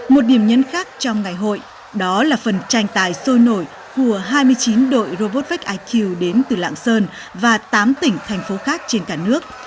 một điểm nhấn khác trong ngày hội đó là phần tranh tài sôi nổi của hai mươi chín đội robotvec iq đến từ lạng sơn và tám tỉnh thành phố khác trên cả nước